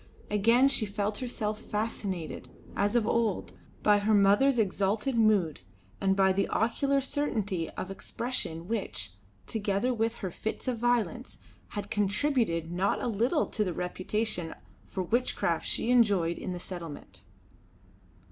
Again she felt herself fascinated, as of old, by her mother's exalted mood and by the oracular certainty of expression which, together with her fits of violence, had contributed not a little to the reputation for witchcraft she enjoyed in the settlement.